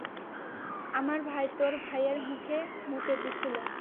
আমার ভাই তোর ভাইয়ের মুখে মুতে দিছিলো।